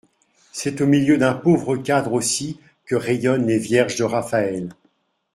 C'est au milieu d'un pauvre cadre aussi que rayonnent les vierges de Raphaël.